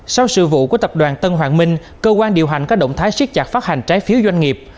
sau sự vụ của tập đoàn tân hoàng minh cơ quan điều hành có động thái siết chặt phát hành trái phiếu doanh nghiệp